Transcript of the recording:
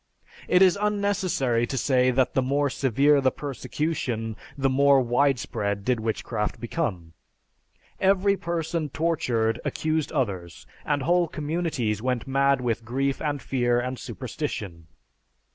It is unnecessary to say that the more severe the persecution, the more widespread did witchcraft become. Every person tortured accused others and whole communities went mad with grief and fear and superstition.